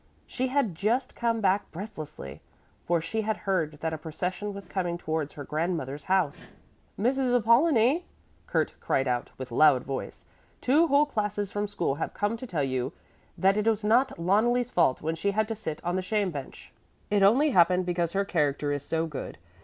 She had just come back breathlessly, for she had heard that a procession was coming towards her grandmother's house. "Mrs. Apollonie," Kurt cried out with loud voice, "two whole classes from school have come to you to tell you that it was not Loneli's fault when she had to sit on the shame bench. It only happened because her character is so good.